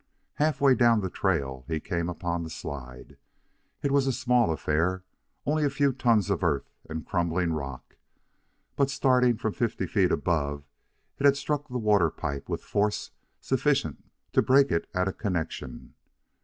Halfway down the trail, he came upon the slide. It was a small affair, only a few tons of earth and crumbling rock; but, starting from fifty feet above, it had struck the water pipe with force sufficient to break it at a connection.